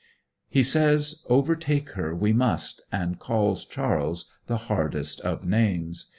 He says overtake her we must, and calls Charles the hardest of names.